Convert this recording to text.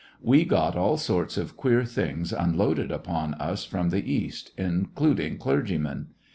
We got all sorts of queer things unloaded upon us from the East, including clergymen.